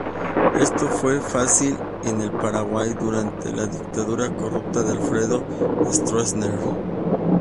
Esto fue fácil en el Paraguay durante la dictadura corrupta de Alfredo Stroessner.